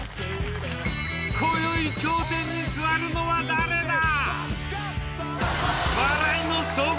今宵頂点に座るのは誰だ！